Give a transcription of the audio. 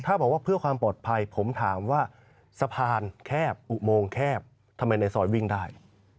ถ้าบอกว่าเพื่อความปลอดภัยผมถามว่าสะพานแคบอุโมงแคบทำไมในซอยวิ่งได้